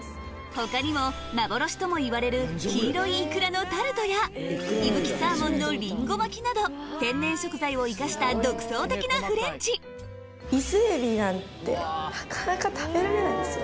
他にも幻ともいわれる黄色いイクラのタルトや息吹サーモンのリンゴ巻など天然食材を生かした独創的なフレンチ伊勢海老なんてなかなか食べられないですよ。